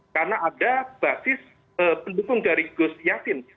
karena ada basis pendukung dari gus yassin